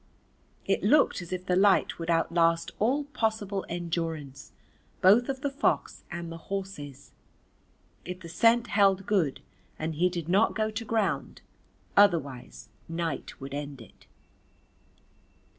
It looked as if the light would outlast all possible endurance both of the fox and the horses, if the scent held good and he did not go to ground, otherwise night would end it.